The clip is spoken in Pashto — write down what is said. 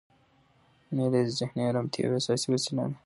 مېلې د ذهني ارامتیا یوه اساسي وسیله ده.